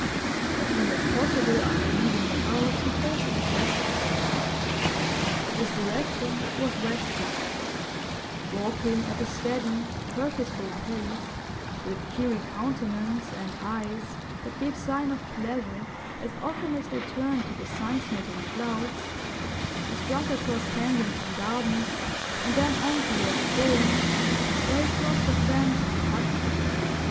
As soon as possible after leaving the house he posted his letter. His direction was westward; walking at a steady, purposeful pace, with cheery countenance and eyes that gave sign of pleasure as often as they turned to the sun smitten clouds, he struck across Kensington Gardens, and then on towards Fulham, where he crossed the Thames to Putney.